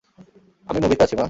আমি মুভিতে আছি, মা।